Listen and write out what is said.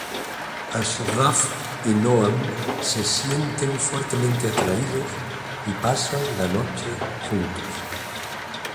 Ashraf y Noam se sienten fuertemente atraídos y pasan la noche juntos.